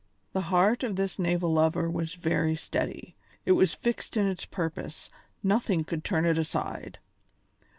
The heart of this naval lover was very steady; it was fixed in its purpose, nothing could turn it aside.